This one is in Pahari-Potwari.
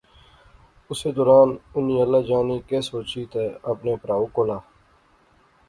اسے دوران انی اللہ جانے کہہ سوچی تہ اپنے پرھو کولا